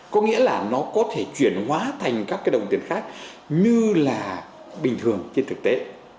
có nghĩa là nó có thể chuyển hóa thành các cái đồng tiền khác như là bình thường trên thực tế